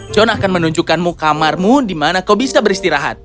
john akan menunjukkanmu kamarmu di mana kau bisa beristirahat